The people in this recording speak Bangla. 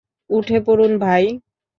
উঠে পড়ুন, ভাই।